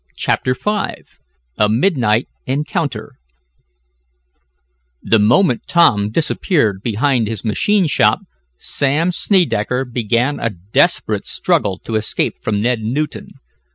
CHAPTER V A MIDNIGHT ENCOUNTER The moment Tom disappeared behind his machine shop, Sam Snedecker began a desperate struggle to escape from Ned Newton.